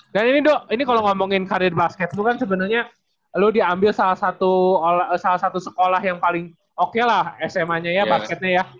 dan ini do ini kalau ngomongin karir basket lu kan sebenarnya lu diambil salah satu sekolah yang paling oke lah sma nya ya basketnya ya